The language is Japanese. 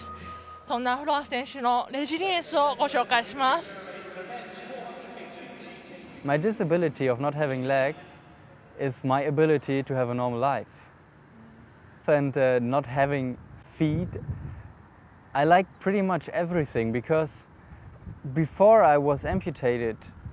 そんなフロアス選手のレジリエンスをご紹介します。